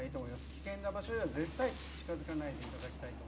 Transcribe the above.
危険な場所へは絶対近づかないでいただきたいと思います。